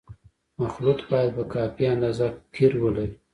مخلوط باید په کافي اندازه قیر ولري